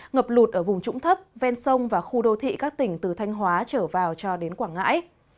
ngập lụt ở vùng trũng thấp ven sông và khu đô thị các tỉnh từ thanh hóa trở vào cho đến quảng ngãi